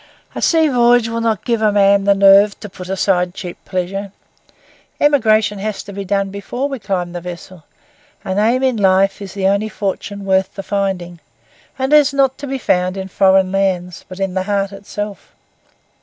A sea voyage will not give a man the nerve to put aside cheap pleasure; emigration has to be done before we climb the vessel; an aim in life is the only fortune worth the finding; and it is not to be found in foreign lands, but in the heart itself.